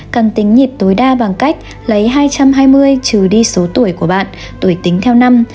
cần tính nhịp tối đa bằng cách lấy hai trăm hai mươi trừ đi số tuổi của bạn tuổi tính theo năm